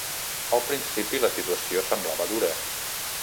Al principi, la situació semblava dura.